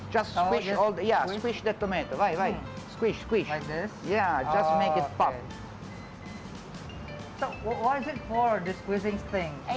ya hanya untuk membuatnya terbaik